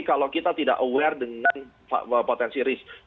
kalau kita tidak aware dengan potensi risk